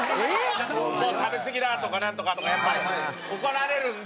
「もう食べすぎだ」とかなんとかやっぱり怒られるんで。